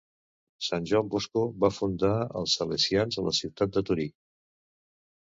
Sant Joan Bosco va fundar els salesians a la ciutat de Torí